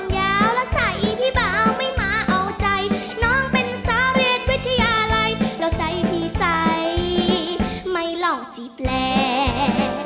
ยาวแล้วใส่อีพี่เบาไม่มาเอาใจน้องเป็นสาวเรียนวิทยาลัยแล้วใส่พี่ใส่ไม่หลอกจีบแรง